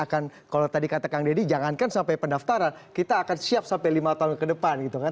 akan kalau tadi kata kang deddy jangankan sampai pendaftaran kita akan siap sampai lima tahun ke depan gitu kan